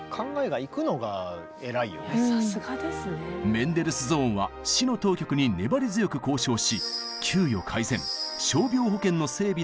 メンデルスゾーンは市の当局に粘り強く交渉し給与改善傷病保険の整備などを実現。